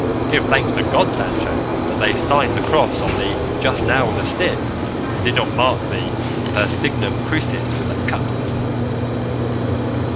Give thanks to God, Sancho, that they signed the cross on thee just now with a stick, and did not mark thee per signum crucis with a cutlass."